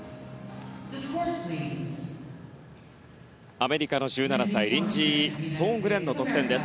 アメリカの１７歳リンジー・ソーングレンの得点です。